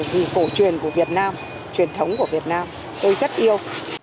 vì cổ truyền của việt nam truyền thống của việt nam tôi rất yêu